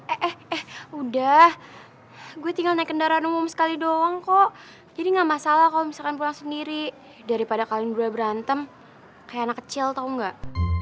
eh eh udah gue tinggal naik kendaraan umum sekali doang kok jadi gak masalah kalau misalkan pulang sendiri daripada kalian berdua berantem kayak anak kecil tau gak